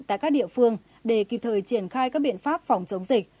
tại các địa phương để kịp thời triển khai các biện pháp phòng chống dịch